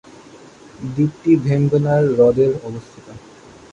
দ্বীপটি ভেম্বনাড় হ্রদের অবস্থিত।